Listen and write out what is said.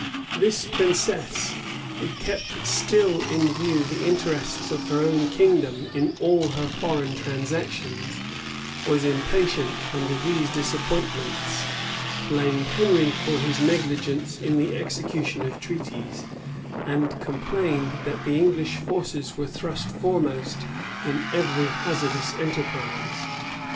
This princess, who kept still in view the interests of her own kingdom in all her foreign transactions, was impatient under these disappointments, blamed Henry for his negligence in the execution of treaties, and complained that the English forces were thrust foremost in every hazardous enterprise.